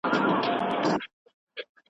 د ایران د دربار فساد ټوله نړۍ خبره کړې وه.